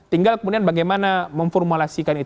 tinggal kemudian bagaimana memformulasi